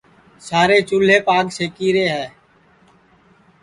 سارے چُولھیپ آگ سیکی رے ہے